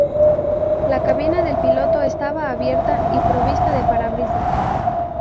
La cabina del piloto estaba abierta y provista de parabrisas.